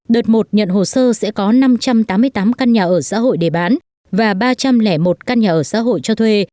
đợt một nhận hồ sơ sẽ có năm trăm tám mươi tám căn nhà ở xã hội để bán và ba trăm linh một căn nhà ở xã hội cho thuê